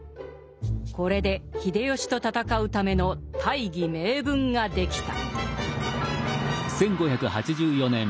これで秀吉と戦うための大義名分ができた。